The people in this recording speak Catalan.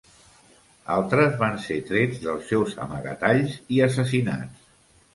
Altres van ser trets dels seus amagatalls i assassinats.